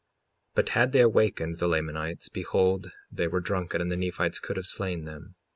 55:18 But had they awakened the Lamanites, behold they were drunken and the Nephites could have slain them.